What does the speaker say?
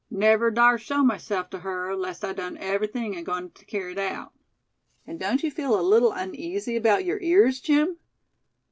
Never'd dar' show myself tuh her, 'less I done everything agoin' tuh kerry it out." "And don't you feel a little uneasy about your ears, Jim?"